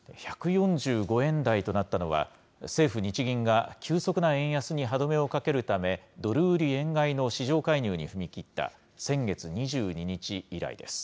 １４５円台となったのは、政府・日銀が急速な円安に歯止めをかけるため、ドル売り円買いの市場介入に踏み切った先月２２日以来です。